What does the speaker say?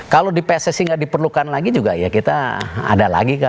kalau di pssi nggak diperlukan lagi juga ya kita ada lagi